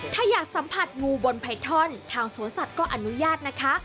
ถ้าอยากสัมผัสงูบนไพทอนทางสวนสัตว์ก็อนุญาตนะคะ